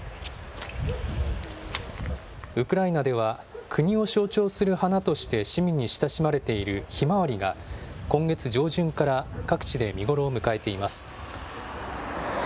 ウクライナでは、国を象徴する花として市民に親しまれているひまわりが、今月上旬から各地で見頃を迎えています。